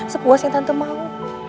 sepuas yang tante mau